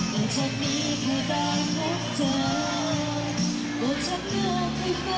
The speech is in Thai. แต่ฉันนี้เพลงตามรักเธอโปรดฉันเมื่อเคยฝันกันมา